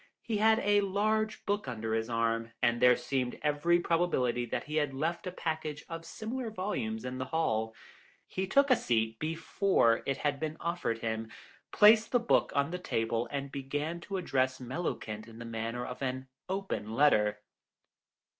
He had a large book under his arm, and there seemed every probability that he had left a package of similar volumes in the hall. He took a seat before it had been offered him, placed the book on the table, and began to address Mellowkent in the manner of an "open letter."